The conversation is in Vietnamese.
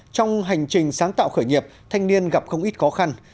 trong hành trình sáng tạo khởi nghiệp thanh niên gặp không ít khó khăn